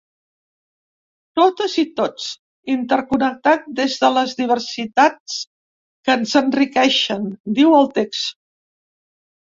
Totes i tots, interconnectats des de les diversitats que ens enriqueixen, diu el text.